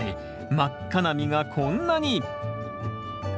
真っ赤な実がこんなに！